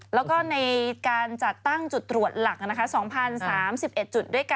แล้วก็ในการจัดตั้งจุดตรวจหลัก